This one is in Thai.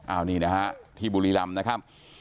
อันนี้นะฮะที่บุรีรำนะครับ